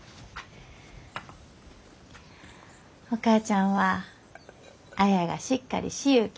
お母ちゃんは綾がしっかりしゆうき